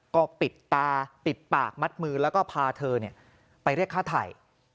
ก็ปิดตาปิดปากมัดมือแล้วก็พาเธอไปเรียกฆ่าไทย